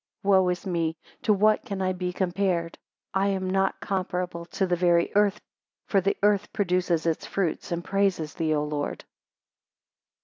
Wo is me to what can I be compared? 7 I am not comparable to the very earth, for the earth produces its fruits, and praises thee, O Lord!